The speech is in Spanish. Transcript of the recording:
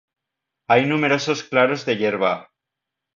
Hay numerosos claros de hierba.